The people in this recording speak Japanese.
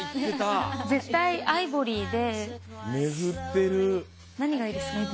絶対アイボリーで。